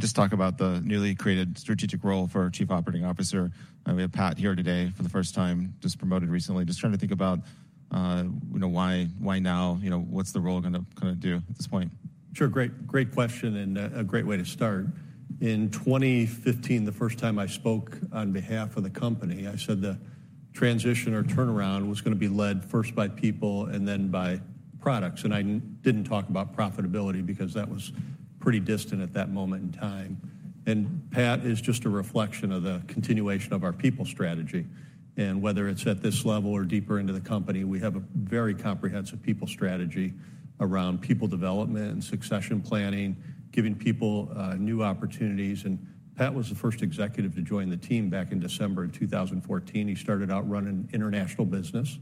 Just talk about the newly created strategic role for Chief Operating Officer. We have Pat here today for the first time, just promoted recently. Just trying to think about, you know, why, why now? You know, what's the role gonna kinda do at this point? Sure. Great, great question, and, a great way to start. In 2015, the first time I spoke on behalf of the company, I said the transition or turnaround was gonna be led first by people and then by products. And I didn't talk about profitability because that was pretty distant at that moment in time. And Pat is just a reflection of the continuation of our people strategy. And whether it's at this level or deeper into the company, we have a very comprehensive people strategy around people development and succession planning, giving people, new opportunities. And Pat was the first executive to join the team back in December 2014. He started out running international business.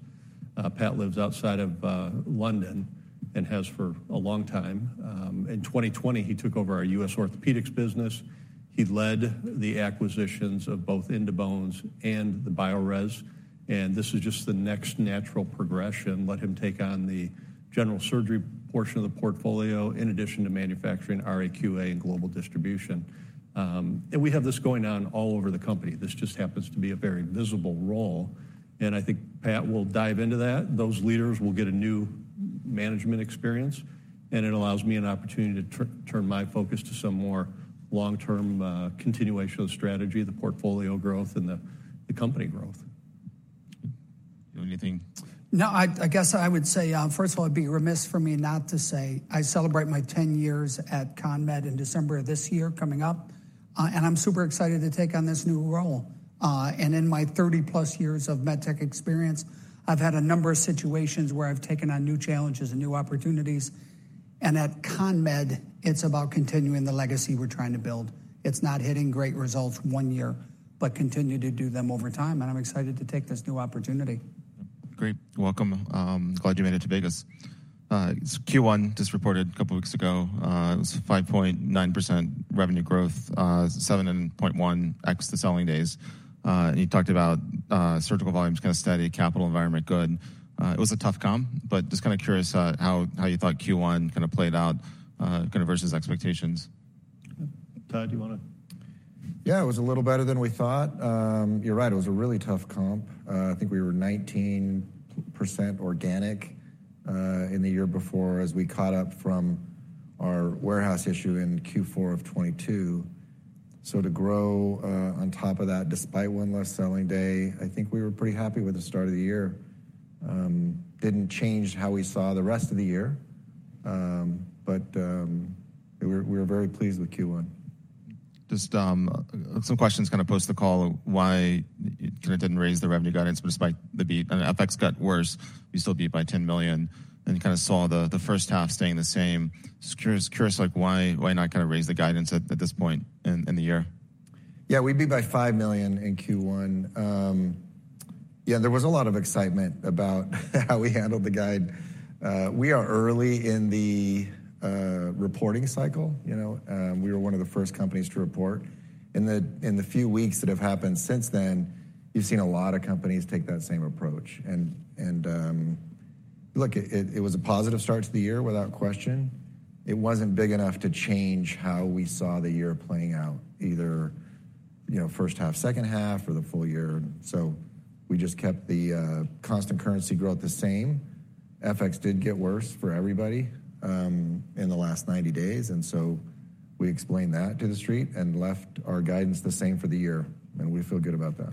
Pat lives outside of, London and has for a long time. In 2020, he took over our U.S. orthopedics business. He led the acquisitions of both In2Bones and the Biorez, and this is just the next natural progression. Let him take on the general surgery portion of the portfolio, in addition to manufacturing, RAQA, and global distribution. And we have this going on all over the company. This just happens to be a very visible role, and I think Pat will dive into that. Those leaders will get a new management experience, and it allows me an opportunity to turn my focus to some more long-term continuation of strategy, the portfolio growth, and the company growth. You have anything? No, I guess I would say, first of all, it'd be remiss for me not to say, I celebrate my 10 years at CONMED in December of this year, coming up, and I'm super excited to take on this new role. And in my 30+ years of med tech experience, I've had a number of situations where I've taken on new challenges and new opportunities, and at CONMED, it's about continuing the legacy we're trying to build. It's not hitting great results one year, but continue to do them over time, and I'm excited to take this new opportunity. Great. Welcome. Glad you made it to Vegas. Q1 just reported a couple of weeks ago. It was 5.9% revenue growth, 7.1x the selling days. You talked about surgical volumes, kinda steady, capital environment, good. It was a tough comp, but just kinda curious, how you thought Q1 kinda played out, kinda versus expectations. Todd, do you wanna? Yeah, it was a little better than we thought. You're right. It was a really tough comp. I think we were 19% organic in the year before, as we caught up from our warehouse issue in Q4 of 2022. So to grow on top of that, despite one less selling day, I think we were pretty happy with the start of the year. Didn't change how we saw the rest of the year, but we were very pleased with Q1. Just some questions, kinda post the call, why you kinda didn't raise the revenue guidance despite the beat and the FX got worse. You still beat by $10 million and kinda saw the first half staying the same. Just curious, like, why, why not kinda raise the guidance at this point in the year? Yeah, we beat by $5 million in Q1. Yeah, there was a lot of excitement about how we handled the guide. We are early in the reporting cycle, you know? We were one of the first companies to report. In the few weeks that have happened since then, you've seen a lot of companies take that same approach. And, look, it was a positive start to the year, without question. It wasn't big enough to change how we saw the year playing out, either, you know, first half, second half or the full year. So we just kept the constant currency growth the same. FX did get worse for everybody in the last 90 days, and so we explained that to the street and left our guidance the same for the year, and we feel good about that.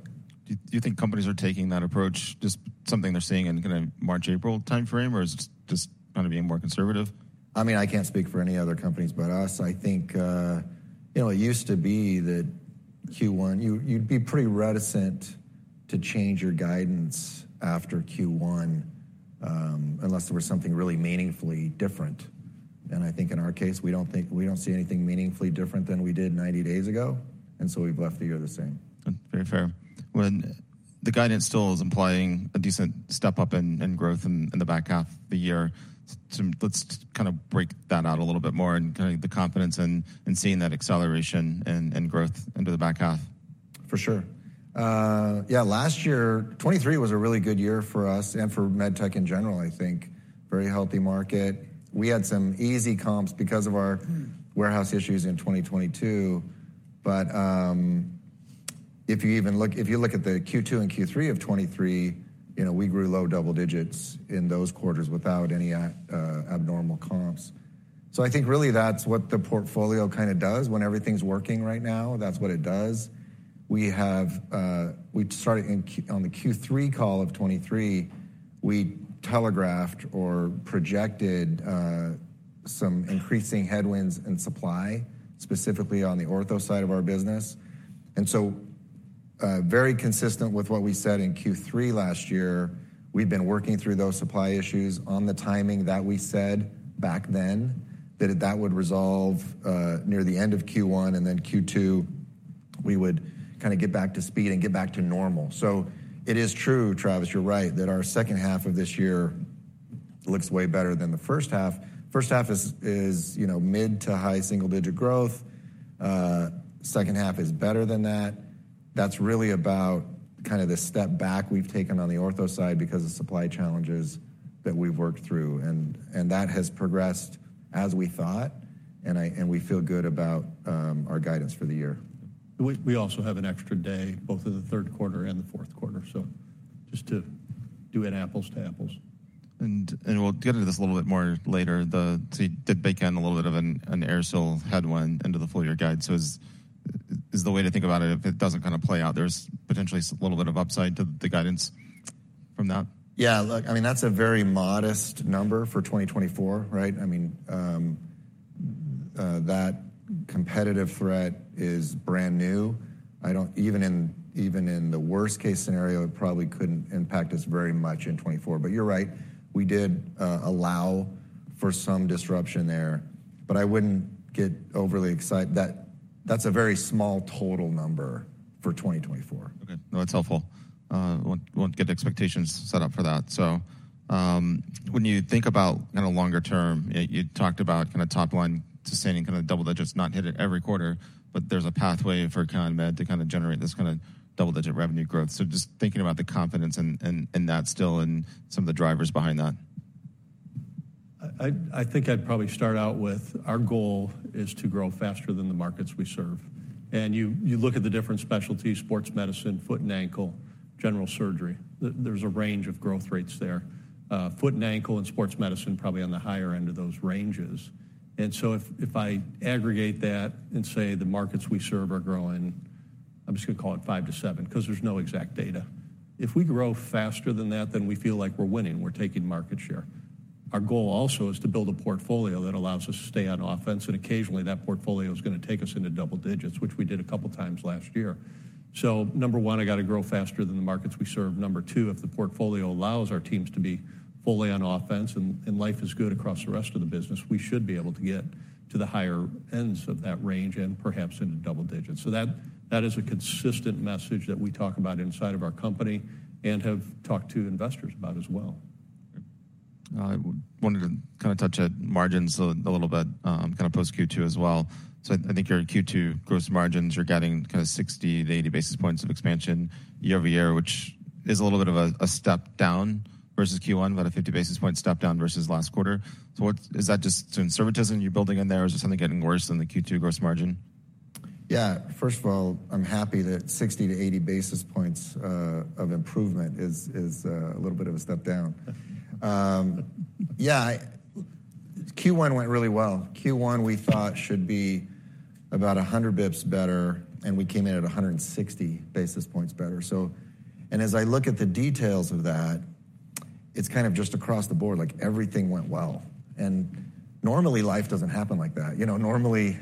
Do you think companies are taking that approach, just something they're seeing in kinda March, April timeframe, or is it just kinda being more conservative? I mean, I can't speak for any other companies but us. I think, you know, it used to be that Q1, you'd be pretty reticent to change your guidance after Q1, unless there was something really meaningfully different. And I think in our case, we don't think, we don't see anything meaningfully different than we did 90 days ago, and so we've left the year the same. Very fair. The guidance still is implying a decent step up in growth in the back half of the year. So let's kind of break that out a little bit more and kinda the confidence in seeing that acceleration and growth into the back half. For sure. Yeah, last year, 2023 was a really good year for us and for med tech in general, I think. Very healthy market. We had some easy comps because of our warehouse issues in 2022, but if you look at the Q2 and Q3 of 2023, you know, we grew low double digits in those quarters without any abnormal comps. So I think really that's what the portfolio kinda does when everything's working right now. That's what it does. We started on the Q3 call of 2023. We telegraphed or projected some increasing headwinds in supply, specifically on the ortho side of our business. And so, very consistent with what we said in Q3 last year, we've been working through those supply issues on the timing that we said back then, that would resolve, near the end of Q1, and then Q2, we would kinda get back to speed and get back to normal. So it is true, Travis, you're right, that our second half of this year looks way better than the first half. First half is, you know, mid to high single-digit growth. Second half is better than that.... That's really about kind of the step back we've taken on the ortho side because of supply challenges that we've worked through, and that has progressed as we thought, and we feel good about our guidance for the year. We also have an extra day, both in the third quarter and the fourth quarter, so just to do an apples to apples. We'll get into this a little bit more later. So you did bake in a little bit of an AirSeal headwind into the full year guide. Is the way to think about it, if it doesn't kind of play out, there's potentially a little bit of upside to the guidance from that? Yeah, look, I mean, that's a very modest number for 2024, right? I mean, that competitive threat is brand new. Even in, even in the worst-case scenario, it probably couldn't impact us very much in 2024. But you're right, we did allow for some disruption there, but I wouldn't get overly excited. That, that's a very small total number for 2024. Okay. No, that's helpful. We won't get expectations set up for that. So, when you think about kind of longer term, you, you talked about kind of top line sustaining, kind of double digits, not hit it every quarter, but there's a pathway for CONMED to kind of generate this kind of double-digit revenue growth. So just thinking about the confidence in, in, in that still and some of the drivers behind that. I think I'd probably start out with, our goal is to grow faster than the markets we serve. And you look at the different specialties, sports medicine, foot and ankle, general surgery, there's a range of growth rates there. Foot and ankle and sports medicine, probably on the higher end of those ranges. And so if I aggregate that and say the markets we serve are growing, I'm just going to call it five to seven, because there's no exact data. If we grow faster than that, then we feel like we're winning. We're taking market share. Our goal also is to build a portfolio that allows us to stay on offense, and occasionally, that portfolio is going to take us into double digits, which we did a couple of times last year. So number one, I got to grow faster than the markets we serve. Number two, if the portfolio allows our teams to be fully on offense and life is good across the rest of the business, we should be able to get to the higher ends of that range and perhaps into double digits. So that is a consistent message that we talk about inside of our company and have talked to investors about as well. I wanted to kind of touch on margins a little bit, kind of post Q2 as well. So I think your Q2 gross margins are getting kind of 60-80 basis points of expansion year-over-year, which is a little bit of a step down versus Q1, about a 50 basis point step down versus last quarter. So what is that just in services you're building in there, or is there something getting worse in the Q2 gross margin? Yeah, first of all, I'm happy that 60-80 basis points of improvement is a little bit of a step down. Yeah, Q1 went really well. Q1, we thought, should be about 100 basis points better, and we came in at 160 basis points better. So, as I look at the details of that, it's kind of just across the board, like everything went well. And normally, life doesn't happen like that. You know, normally,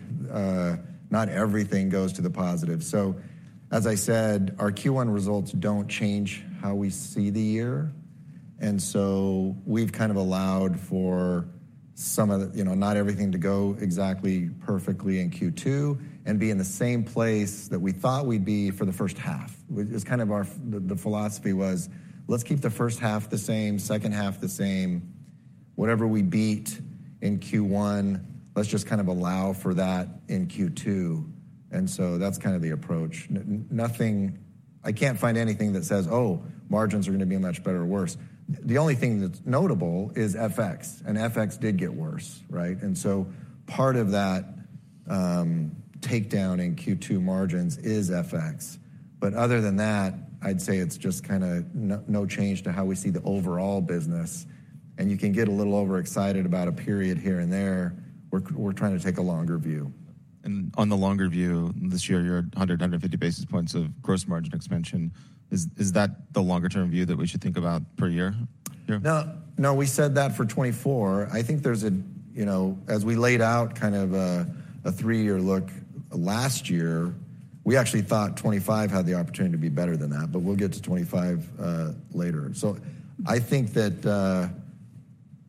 not everything goes to the positive. So, as I said, our Q1 results don't change how we see the year, and so we've kind of allowed for some of the... You know, not everything to go exactly perfectly in Q2 and be in the same place that we thought we'd be for the first half. Which is kind of our—the philosophy was, let's keep the first half the same, second half the same. Whatever we beat in Q1, let's just kind of allow for that in Q2. And so that's kind of the approach. Nothing—I can't find anything that says, "Oh, margins are going to be much better or worse." The only thing that's notable is FX, and FX did get worse, right? And so part of that takedown in Q2 margins is FX. But other than that, I'd say it's just kind of no change to how we see the overall business, and you can get a little overexcited about a period here and there. We're trying to take a longer view. On the longer view, this year, you're at 100, 150 basis points of gross margin expansion. Is that the longer-term view that we should think about per year? No, no, we said that for 2024. I think there's a... You know, as we laid out kind of a, a three-year look last year, we actually thought 2025 had the opportunity to be better than that, but we'll get to 2025 later. So I think that,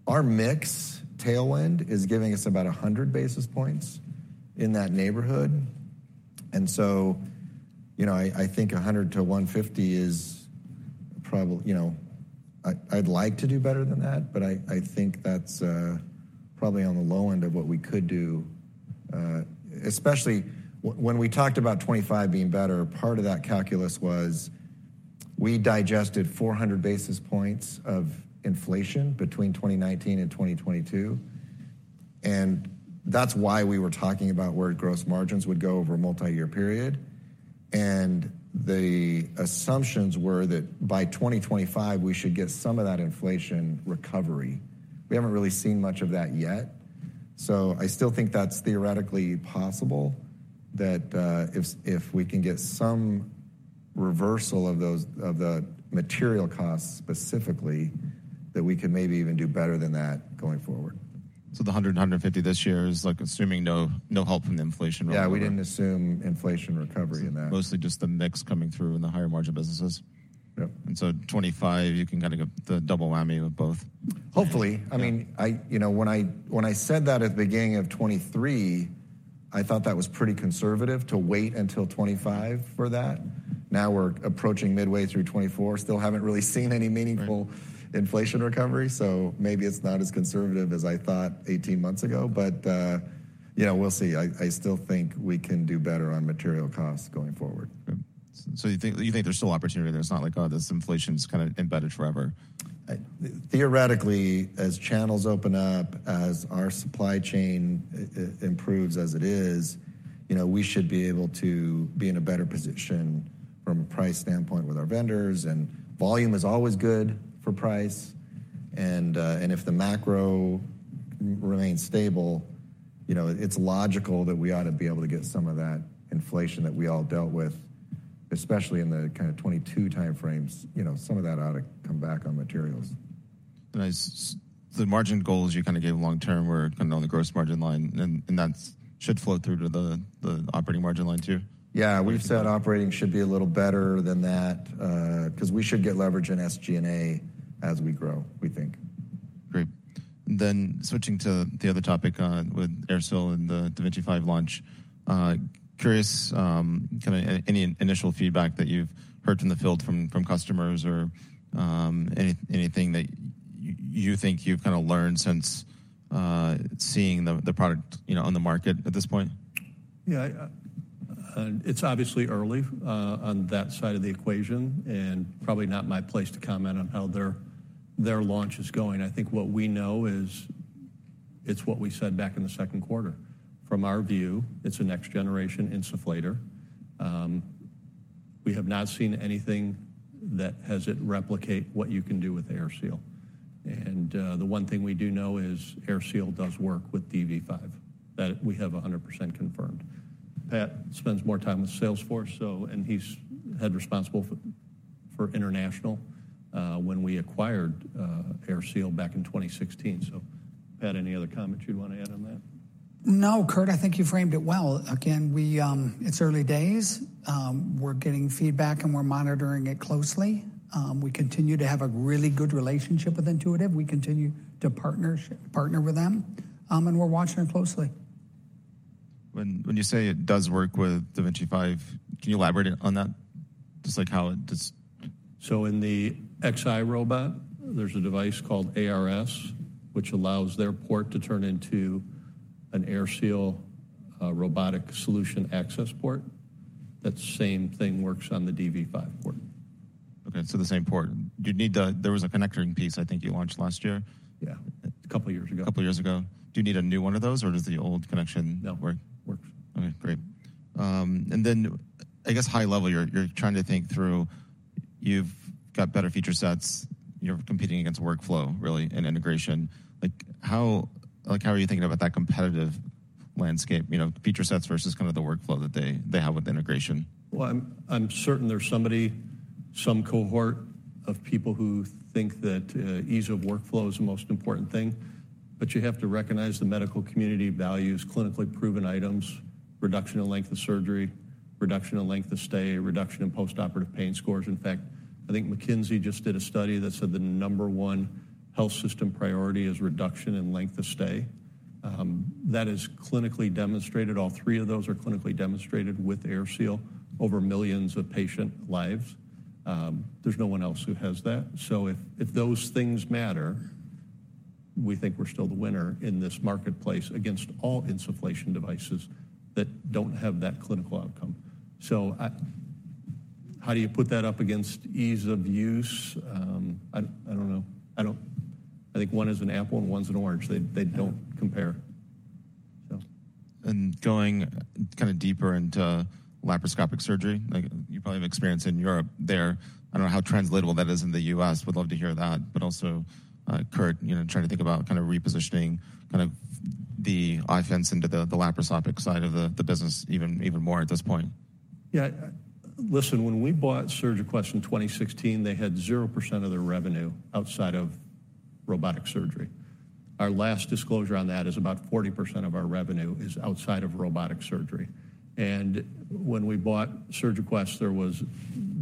our mix tailwind is giving us about 100 basis points in that neighborhood. And so, you know, I, I think 100-150 is probably... You know, I, I'd like to do better than that, but I, I think that's, probably on the low end of what we could do. Especially when we talked about 2025 being better, part of that calculus was we digested 400 basis points of inflation between 2019 and 2022, and that's why we were talking about where gross margins would go over a multi-year period. The assumptions were that by 2025, we should get some of that inflation recovery. We haven't really seen much of that yet, so I still think that's theoretically possible, that if we can get some reversal of those of the material costs specifically, that we can maybe even do better than that going forward. So the $150 this year is, like, assuming no, no help from the inflation recovery? Yeah, we didn't assume inflation recovery in that. Mostly just the mix coming through in the higher margin businesses. Yep. 25, you can kind of get the double whammy of both. Hopefully. Yeah. I mean, you know, when I said that at the beginning of 2023, I thought that was pretty conservative to wait until 2025 for that. Now, we're approaching midway through 2024, still haven't really seen any meaningful- Right ... inflation recovery, so maybe it's not as conservative as I thought 18 months ago. But, yeah, we'll see. I still think we can do better on material costs going forward. Okay. So you think, you think there's still opportunity there? It's not like, oh, this inflation's kinda embedded forever. Theoretically, as channels open up, as our supply chain improves as it is, you know, we should be able to be in a better position from a price standpoint with our vendors. And volume is always good for price, and if the macro remains stable, you know, it's logical that we ought to be able to get some of that inflation that we all dealt with, especially in the kinda 2022 timeframes, you know, some of that ought to come back on materials. Nice. The margin goals you kinda gave long term were kinda on the gross margin line, and that should flow through to the operating margin line, too? Yeah, we've said operating should be a little better than that, 'cause we should get leverage in SG&A as we grow, we think. Great. Then switching to the other topic, with AirSeal and the da Vinci 5 launch. Curious, kinda any initial feedback that you've heard from the field from customers or anything that you think you've kinda learned since seeing the product, you know, on the market at this point? Yeah, it's obviously early on that side of the equation, and probably not my place to comment on how their, their launch is going. I think what we know is it's what we said back in the second quarter. From our view, it's a next generation insufflator. We have not seen anything that has it replicate what you can do with AirSeal. And, the one thing we do know is AirSeal does work with DV5. That we have 100% confirmed. Pat spends more time with Salesforce, so... And he's head responsible for, for international, when we acquired AirSeal back in 2016. So Pat, any other comments you'd want to add on that? No, Curt, I think you framed it well. Again, we—it's early days. We're getting feedback, and we're monitoring it closely. We continue to have a really good relationship with Intuitive. We continue to partnership, partner with them, and we're watching it closely. When you say it does work with da Vinci 5, can you elaborate on that? Just like how it does? So in the Xi robot, there's a device called ARS, which allows their port to turn into an AirSeal robotic solution access port. That same thing works on the DV5 port. Okay, so the same port. Do you need the-- There was a connector piece, I think, you launched last year. Yeah, a couple years ago. A couple years ago. Do you need a new one of those, or does the old connection- No. -work? Works. Okay, great. And then, I guess, high level, you're trying to think through... You've got better feature sets. You're competing against workflow, really, and integration. Like, how are you thinking about that competitive landscape? You know, feature sets versus kind of the workflow that they have with integration. Well, I'm certain there's somebody, some cohort of people who think that ease of workflow is the most important thing, but you have to recognize the medical community values clinically proven items, reduction in length of surgery, reduction in length of stay, reduction in post-operative pain scores. In fact, I think McKinsey just did a study that said the number one health system priority is reduction in length of stay. That is clinically demonstrated. All three of those are clinically demonstrated with AirSeal over millions of patient lives. There's no one else who has that. So if those things matter, we think we're still the winner in this marketplace against all insufflation devices that don't have that clinical outcome. So, how do you put that up against ease of use? I don't know. I don't, I think one is an apple and one's an orange. They, they don't compare, so... Going kinda deeper into laparoscopic surgery, like, you probably have experience in Europe there. I don't know how translatable that is in the US. Would love to hear that, but also, Curt, you know, trying to think about kinda repositioning kind of the iFS into the, the laparoscopic side of the, the business even, even more at this point. Yeah, listen, when we bought SurgiQuest in 2016, they had 0% of their revenue outside of robotic surgery. Our last disclosure on that is about 40% of our revenue is outside of robotic surgery. And when we bought SurgiQuest, there was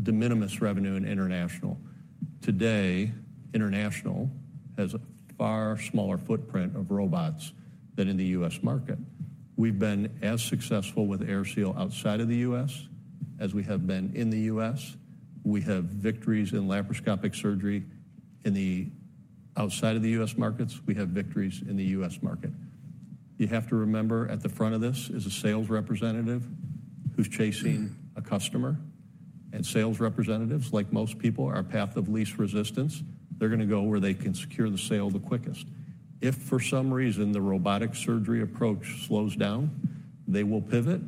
de minimis revenue in international. Today, international has a far smaller footprint of robots than in the U.S. market. We've been as successful with AirSeal outside of the U.S. as we have been in the U.S. We have victories in laparoscopic surgery in the outside of the U.S. markets. We have victories in the U.S. market. You have to remember, at the front of this is a sales representative who's chasing a customer, and sales representatives, like most people, are path of least resistance. They're gonna go where they can secure the sale the quickest. If, for some reason, the robotic surgery approach slows down, they will pivot.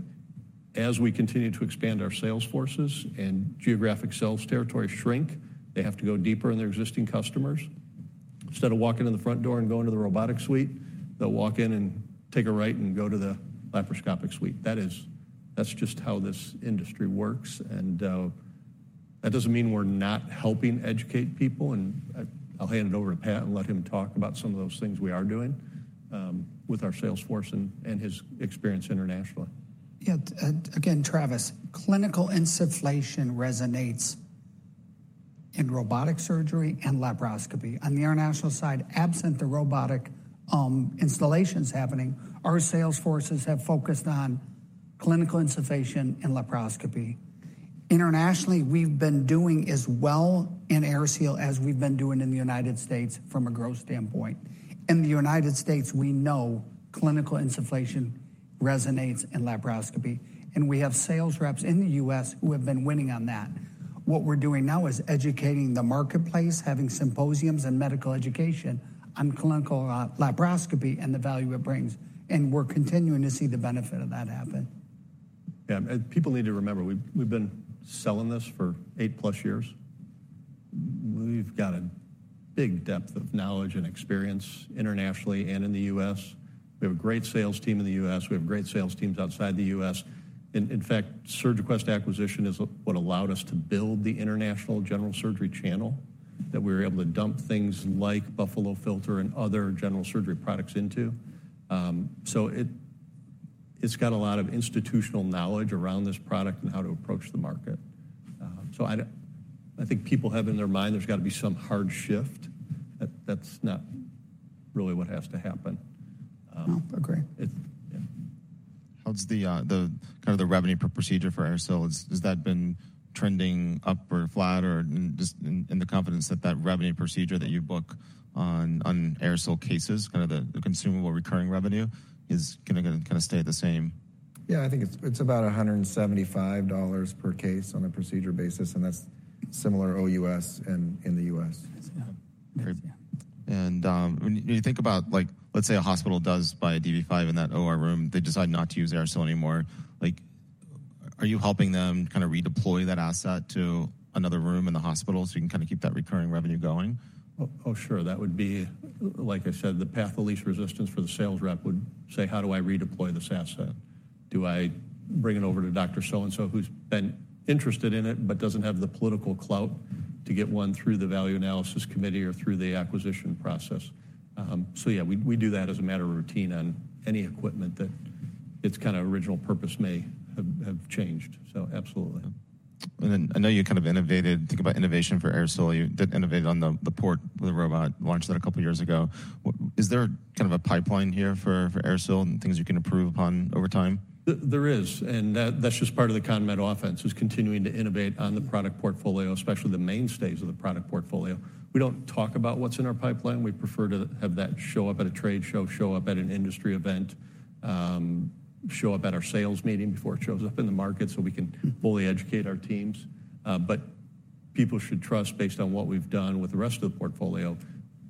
As we continue to expand our sales forces and geographic sales territories shrink, they have to go deeper in their existing customers. Instead of walking in the front door and going to the robotic suite, they'll walk in and take a right and go to the laparoscopic suite. That is- that's just how this industry works, and that doesn't mean we're not helping educate people. And I- I'll hand it over to Pat and let him talk about some of those things we are doing, with our sales force and his experience internationally. Yeah, again, Travis, clinical insufflation resonates in robotic surgery and laparoscopy. On the international side, absent the robotic installations happening, our sales forces have focused on clinical insufflation and laparoscopy… internationally, we've been doing as well in AirSeal as we've been doing in the United States from a growth standpoint. In the United States, we know clinical insufflation resonates in laparoscopy, and we have sales reps in the U.S. who have been winning on that. What we're doing now is educating the marketplace, having symposiums and medical education on clinical laparoscopy and the value it brings, and we're continuing to see the benefit of that happen. Yeah, and people need to remember, we've been selling this for 8+ years. We've got a big depth of knowledge and experience internationally and in the U.S. We have a great sales team in the U.S. We have great sales teams outside the U.S. In fact, SurgiQuest acquisition is what allowed us to build the international general surgery channel that we were able to dump things like Buffalo Filter and other general surgery products into. So it, it's got a lot of institutional knowledge around this product and how to approach the market. So I think people have in their mind there's got to be some hard shift. That's not really what has to happen. No, agree. It... Yeah. How's the kind of revenue per procedure for AirSeal? Has that been trending up or flat or just in the confidence that that revenue procedure that you book on AirSeal cases, kind of the consumable recurring revenue, is gonna kinda stay the same? Yeah, I think it's, it's about $175 per case on a procedure basis, and that's similar OUS and in the US. Yes. Yeah. Great. And, when you think about, like, let's say a hospital does buy a DV5 in that OR room, they decide not to use AirSeal anymore. Like, are you helping them kind of redeploy that asset to another room in the hospital, so you can kind of keep that recurring revenue going? Oh, oh, sure. That would be, like I said, the path of least resistance for the sales rep would say: "How do I redeploy this asset? Do I bring it over to Dr. So-and-so, who's been interested in it, but doesn't have the political clout to get one through the value analysis committee or through the acquisition process?" So yeah, we do that as a matter of routine on any equipment that it's kind of original purpose may have changed. So absolutely. And then I know you kind of innovated... Think about innovation for AirSeal. You did innovate on the, the port with the robot, launched that a couple of years ago. Is there kind of a pipeline here for, for AirSeal and things you can improve upon over time? There is, and that's just part of the CONMED offense, is continuing to innovate on the product portfolio, especially the mainstays of the product portfolio. We don't talk about what's in our pipeline. We prefer to have that show up at a trade show, show up at an industry event, show up at our sales meeting before it shows up in the market, so we can fully educate our teams. But people should trust, based on what we've done with the rest of the portfolio,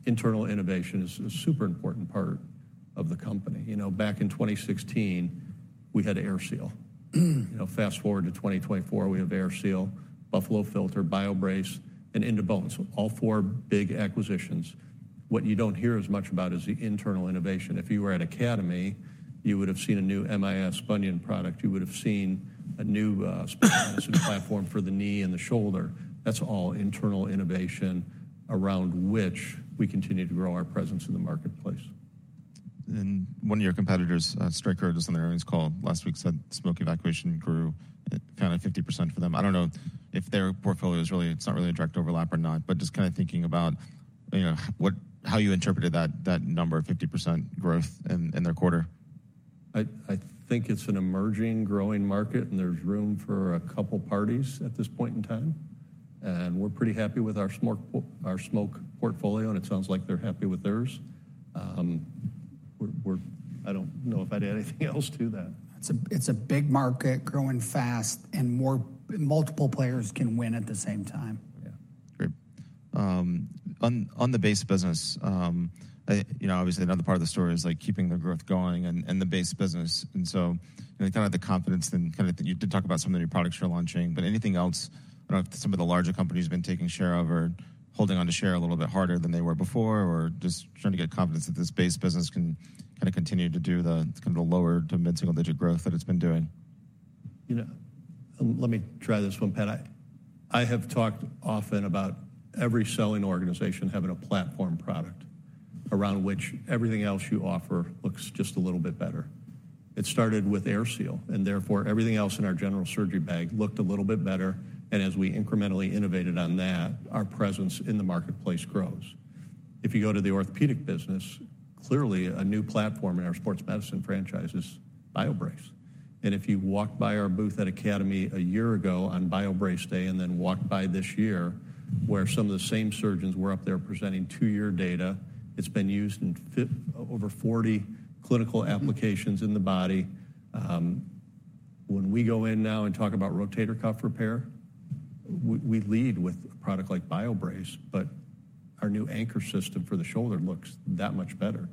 internal innovation is a super important part of the company. You know, back in 2016, we had AirSeal. You know, fast-forward to 2024, we have AirSeal, Buffalo Filter, BioBrace, and In2Bones. So all four big acquisitions. What you don't hear as much about is the internal innovation. If you were at Academy, you would have seen a new MIS bunion product. You would have seen a new sports medicine platform for the knee and the shoulder. That's all internal innovation around which we continue to grow our presence in the marketplace. One of your competitors, Stryker, just on the earnings call last week, said smoke evacuation grew at kind of 50% for them. I don't know if their portfolio is really, it's not really a direct overlap or not, but just kind of thinking about, you know, what, how you interpreted that, that number, 50% growth in their quarter. I think it's an emerging, growing market, and there's room for a couple parties at this point in time. We're pretty happy with our smoke portfolio, and it sounds like they're happy with theirs. We're. I don't know if I'd add anything else to that. It's a big market, growing fast, and multiple players can win at the same time. Yeah. Great. On the base business, you know, obviously, another part of the story is, like, keeping the growth going and the base business. So kind of the confidence and kind of... You did talk about some of the new products you're launching, but anything else, I don't know if some of the larger companies have been taking share of or holding on to share a little bit harder than they were before, or just trying to get confidence that this base business can kind of continue to do the kind of the lower to mid-single-digit growth that it's been doing? You know, let me try this one, Pat. I, I have talked often about every selling organization having a platform product around which everything else you offer looks just a little bit better. It started with AirSeal, and therefore, everything else in our general surgery bag looked a little bit better, and as we incrementally innovated on that, our presence in the marketplace grows. If you go to the orthopedic business, clearly a new platform in our sports medicine franchise is BioBrace. And if you walked by our booth at Academy a year ago on BioBrace Day and then walked by this year, where some of the same surgeons were up there presenting two-year data, it's been used in over 40 clinical applications in the body. When we go in now and talk about rotator cuff repair, we lead with a product like BioBrace, but our new anchor system for the shoulder looks that much better.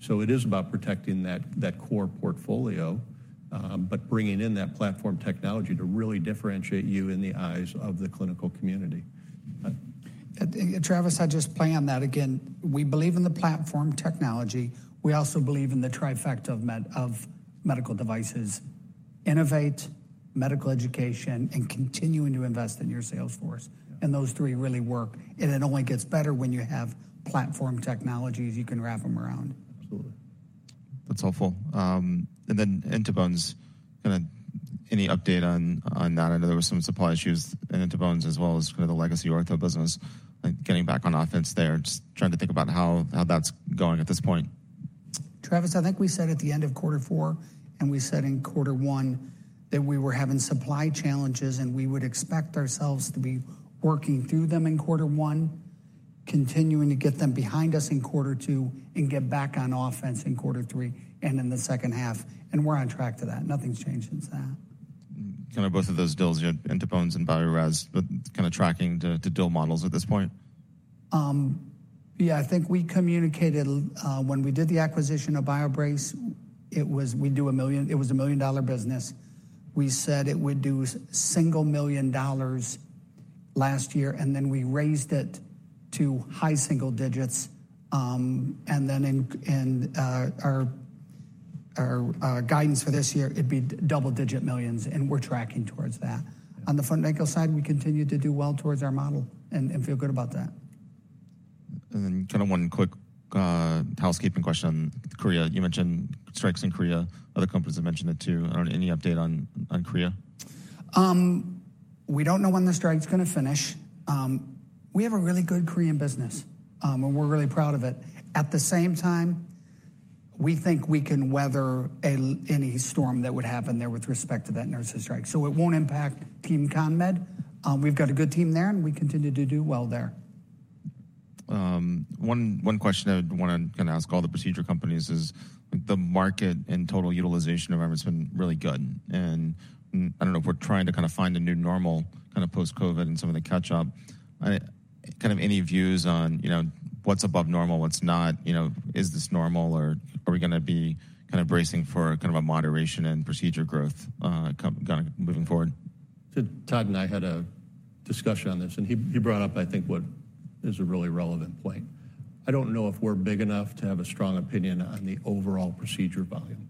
So it is about protecting that core portfolio, but bringing in that platform technology to really differentiate you in the eyes of the clinical community. Travis, I'll just play on that again. We believe in the platform technology. We also believe in the trifecta of medical devices: innovate, medical education, and continuing to invest in your sales force. Yeah. Those three really work, and it only gets better when you have platform technologies you can wrap them around. Absolutely. That's helpful. And then In2Bones, kind of any update on that? I know there were some supply issues in In2Bones as well as kind of the legacy ortho business, like getting back on offense there. Just trying to think about how that's going at this point.... Travis, I think we said at the end of quarter four, and we said in quarter one, that we were having supply challenges, and we would expect ourselves to be working through them in quarter one, continuing to get them behind us in quarter two, and get back on offense in quarter three and in the second half. We're on track to that. Nothing's changed since that. Kind of both of those deals, you had In2Bones and Biorez, but kind of tracking the deal models at this point? Yeah, I think we communicated when we did the acquisition of BioBrace, it was a million-dollar business. We said it would do $1 million last year, and then we raised it to high single digits. And then in our guidance for this year, it'd be double-digit millions, and we're tracking towards that. On the foot and ankle side, we continue to do well towards our model and feel good about that. Then kind of one quick housekeeping question on Korea. You mentioned strikes in Korea. Other companies have mentioned it, too. I don't know, any update on Korea? We don't know when the strike's gonna finish. We have a really good Korean business, and we're really proud of it. At the same time, we think we can weather any storm that would happen there with respect to that nurses' strike. So it won't impact Team CONMED. We've got a good team there, and we continue to do well there. One question I'd wanna kind of ask all the procedure companies is, the market and total utilization of everyone's been really good, and I don't know if we're trying to kind of find a new normal, kind of post-COVID and some of the catch-up. Kind of any views on, you know, what's above normal, what's not? You know, is this normal, or are we gonna be kind of bracing for kind of a moderation in procedure growth, kind of moving forward? So Todd and I had a discussion on this, and he brought up, I think, what is a really relevant point. I don't know if we're big enough to have a strong opinion on the overall procedure volume.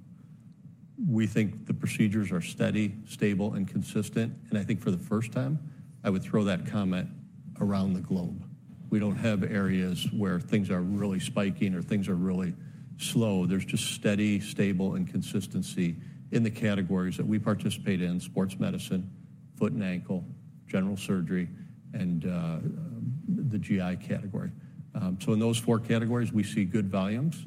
We think the procedures are steady, stable, and consistent, and I think for the first time, I would throw that comment around the globe. We don't have areas where things are really spiking or things are really slow. There's just steady, stable, and consistency in the categories that we participate in: sports medicine, foot and ankle, general surgery, and the GI category. So in those four categories, we see good volumes.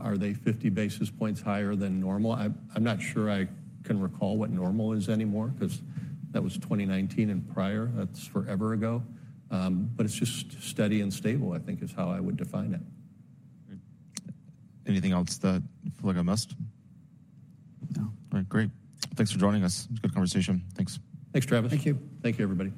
Are they 50 basis points higher than normal? I'm not sure I can recall what normal is anymore, 'cause that was 2019 and prior. That's forever ago. But it's just steady and stable, I think is how I would define it. Great. Anything else that you feel like I missed? No. All right, great. Thanks for joining us. It was a good conversation. Thanks. Thanks, Travis. Thank you. Thank you, everybody.